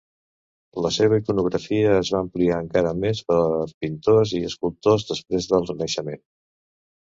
La seva iconografia es va ampliar encara més per pintors i escultors després del Renaixement.